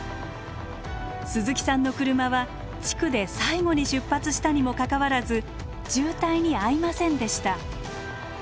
鈴木さんの車は地区で最後に出発したにもかかわらず渋滞に遭いませんでした。